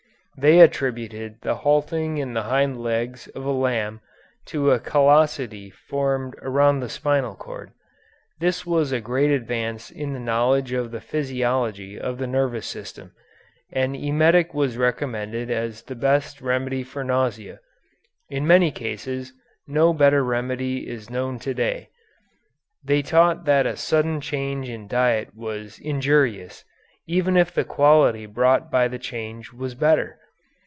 They attributed the halting in the hind legs of a lamb to a callosity formed around the spinal cord. This was a great advance in the knowledge of the physiology of the nervous system. An emetic was recommended as the best remedy for nausea. In many cases no better remedy is known to day. They taught that a sudden change in diet was injurious, even if the quality brought by the change was better.